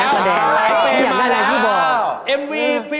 พี่อยากได้อะไรพี่บอก